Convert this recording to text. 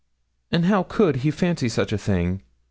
'And how could he fancy such a thing?'